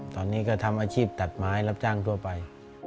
ตอนนี้ก็ทำอาชีพตัดไม้รับจ้างทั่วไป